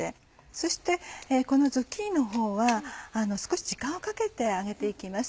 そしてこのズッキーニのほうは少し時間をかけて揚げて行きます。